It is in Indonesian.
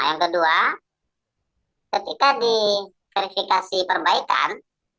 yang kedua ketika diverifikasi perbaikan